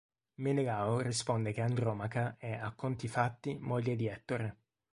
Menelao risponde che Andromaca è, a conti fatti, moglie di Ettore.